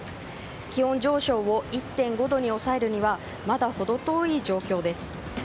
気温上昇を１．５度に抑えるにはまだほど遠い状況です。